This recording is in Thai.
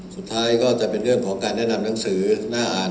สุดท้ายก็จะเป็นเรื่องของการแนะนำหนังสือน่าอ่าน